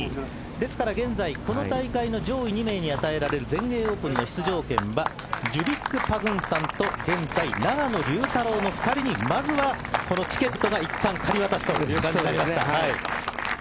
ですから現在この大会で上位２名に与えられる全英オープンの出場権はジュビック・パグンサンと現在、永野竜太郎の２人にまずはチケットがいったん仮渡しという感じになりました。